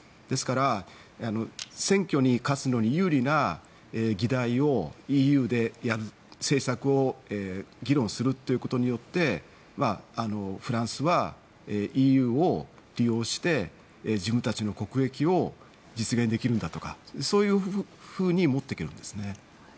ですから選挙に勝つのに有利な議題をＥＵでやる、政策を議論するということによってフランスはＥＵを利用して自分たちの国益を実現できるんだとかそういうふうに持っていけるんですね。